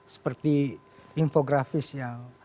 seperti infografis yang